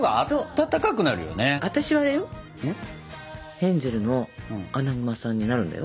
ヘンゼルのアナグマさんになるんだよ。